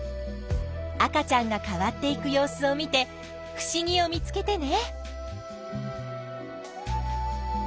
赤ちゃんが変わっていく様子を見てふしぎを見つけてね。